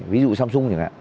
ví dụ samsung chẳng hạn